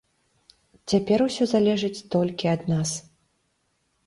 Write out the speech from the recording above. Цяпер усё залежыць толькі ад нас.